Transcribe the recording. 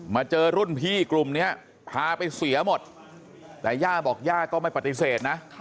เจอรุ่นพี่กลุ่มนี้พาไปเสียหมดแต่ย่าบอกย่าก็ไม่ปฏิเสธนะ